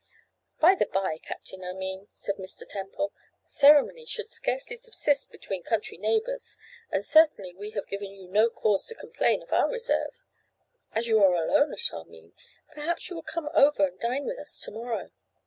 'By the bye, Captain Armine,' said Mr. Temple, 'ceremony should scarcely subsist between country neighbours, and certainly we have given you no cause to complain of our reserve. As you are alone at Armine, perhaps you would come over and dine with us to morrow.